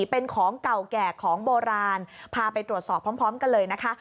เป็นของเก่าแก่ของโบราณพาไปตรวจสอบพร้อมกันเลยนะคะ